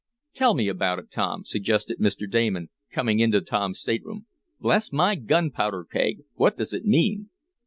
"Tell me about it, Tom," suggested Mr. Damon, coming into Tom's stateroom. "Bless my gunpowder keg! what does it mean?"